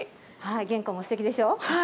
玄関もすてきでしょう？